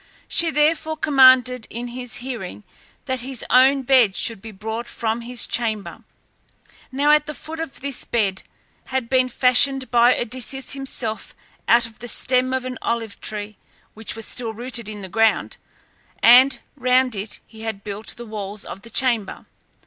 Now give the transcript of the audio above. She therefore commanded in his hearing that his own bed should be brought from his chamber. Now the foot of this bed had been fashioned by Odysseus himself out of the stem of an olive tree which was still rooted in the ground, and round it he had built the walls of the chamber.